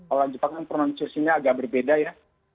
orang jepangnya pronunciasinya agak berbeda ya